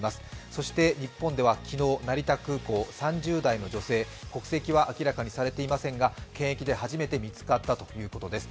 そして日本では昨日成田空港３０代の女性国籍は明らかにされていませんが、検疫で初めて見つかったということです。